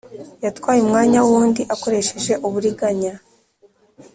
Yatwaye umwanya w undi akoresheje uburiganya.